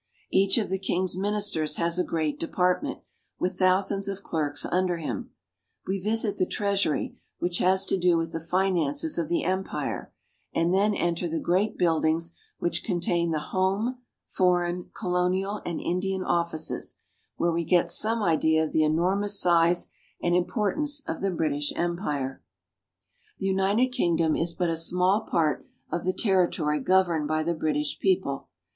Each of the king's ministers has a great department, with thousands of clerks under him. We visit the Treasury, which has to do with the finances of the empire, and then enter the great buildings which contain the Home, Foreign, Colonial, and Indian Offices, where we get some idea of the enormous size and impor tance of the British Empire. HOW ENGLAND IS GOVERNED. 83 The United Kingdom is but a small part of the territory governed by the British people.